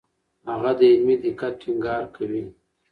هغه د علمي دقت ټینګار کوي.